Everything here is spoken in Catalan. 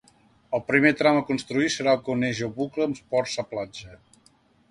El primer tram a construir serà el que uneix el bucle amb Port Sa Platja.